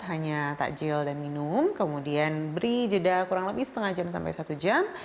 hanya takjil dan minum kemudian beri jeda kurang lebih setengah jam sampai satu jam